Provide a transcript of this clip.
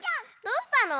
どうしたの？